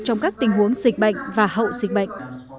trong các tình huống dịch bệnh và hậu dịch bệnh